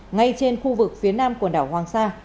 ngay trên khu vực phía nam quần đảo hoàng sa